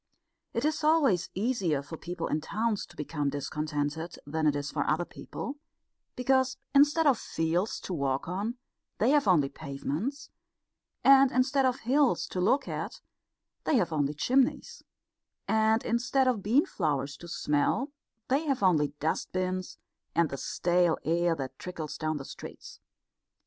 It is always easier for people in towns to become discontented than it is for other people, because instead of fields to walk on they have only pavements; and instead of hills to look at they have only chimneys; and instead of bean flowers to smell they have only dust bins and the stale air that trickles down the streets.